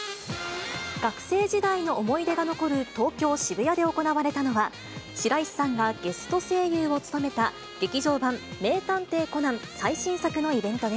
学生時代の思い出が残る、東京・渋谷で行われたのは、白石さんがゲスト声優を務めた劇場版名探偵コナン